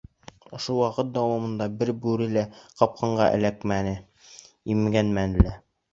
Ошо ваҡыт дауамында бер бүре лә ҡапҡанға эләкмәне, имгәнмәне лә.